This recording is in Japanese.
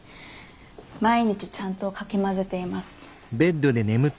毎日ちゃんとかき混ぜています。